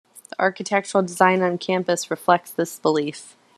The architectural design on campus reflects this belief.